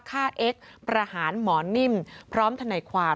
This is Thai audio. เอ็กซ์ประหารหมอนิ่มพร้อมทนายความ